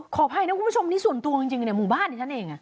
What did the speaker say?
ขออภัยนะคุณผู้ชมนี่ส่วนตัวจริงในหมู่บ้านดิฉันเอง